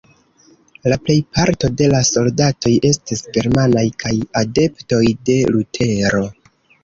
La plejparto de la soldatoj estis germanaj kaj adeptoj de Lutero.